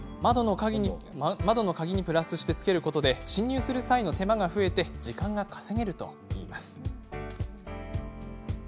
窓の鍵にプラスしてつけることで侵入する際の手間が増え時間が稼げるといいます。